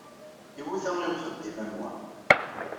Iwuta i uxeddim am wa.